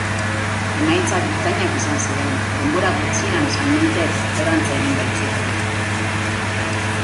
Emaitzak bikainak izan ziren, denbora gutxian salmentek gorantz egin baitzuten.